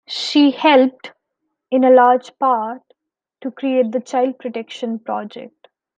She helped, in a large part, to create the Child Protection Project.